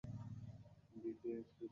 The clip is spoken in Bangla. মিশেল, তুমি তো প্রেম করলে এখন বিয়ে করছো।